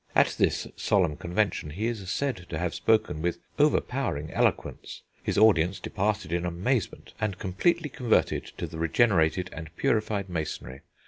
At this solemn convention he is said to have spoken with overpowering eloquence;... his audience departed in amazement and completely converted to the regenerated and purified masonry.